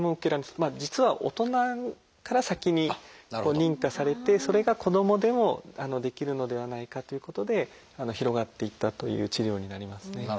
実は大人から先に認可されてそれが子どもでもできるのではないかということで広がっていったという治療になりますね。